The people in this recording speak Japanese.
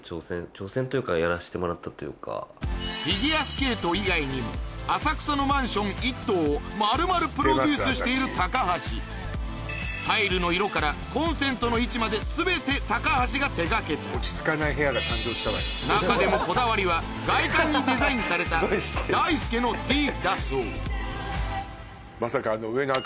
フィギュアスケート以外にも浅草のマンション一棟を丸々プロデュースしている高橋タイルの色からコンセントの位置まで全て高橋が手掛けた中でもこだわりは外観にデザインされた大輔の「ｄ」だそうまさかあの。